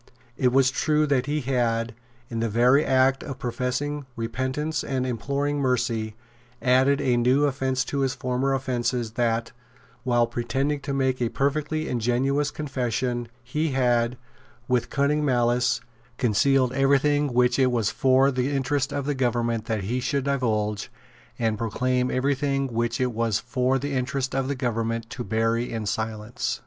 It was true that he had, in the very act of professing repentance and imploring mercy, added a new offence to his former offences, that, while pretending to make a perfectly ingenuous confession, he had, with cunning malice, concealed every thing which it was for the interest of the government that he should divulge, and proclaimed every thing which it was for the interest of the government to bury in silence.